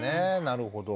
なるほど。